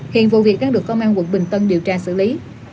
hiện vụ việc đang được công an quận bình tân điều tra xử lý